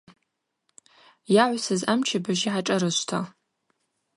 Йагӏвсыз амчыбыжь йгӏашӏарышвта.